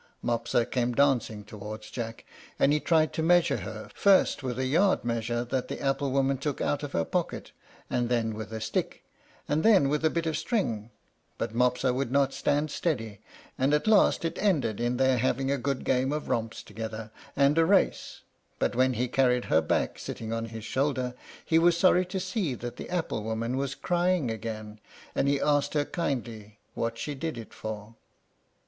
Mopsa came dancing towards Jack, and he tried to measure her, first with a yard measure that the apple woman took out of her pocket, and then with a stick, and then with a bit of string; but Mopsa would not stand steady, and at last it ended in their having a good game of romps together, and a race; but when he carried her back, sitting on his shoulder, he was sorry to see that the apple woman was crying again, and he asked her kindly what she did it for.